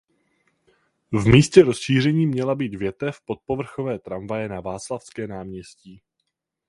V místě rozšíření měla být větev podpovrchové tramvaje na Václavské náměstí.